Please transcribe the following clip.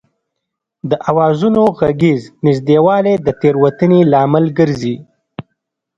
د آوازونو غږیز نږدېوالی د تېروتنې لامل ګرځي